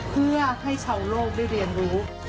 เพื่อให้ชาวโลกได้เรียนรู้